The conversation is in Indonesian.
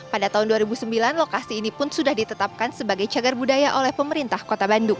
pada tahun dua ribu sembilan lokasi ini pun sudah ditetapkan sebagai cagar budaya oleh pemerintah kota bandung